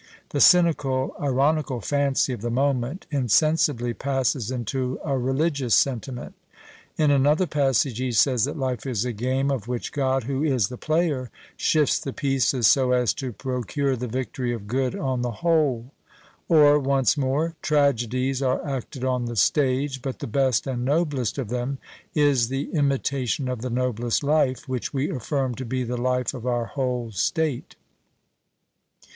The cynical, ironical fancy of the moment insensibly passes into a religious sentiment. In another passage he says that life is a game of which God, who is the player, shifts the pieces so as to procure the victory of good on the whole. Or once more: Tragedies are acted on the stage; but the best and noblest of them is the imitation of the noblest life, which we affirm to be the life of our whole state.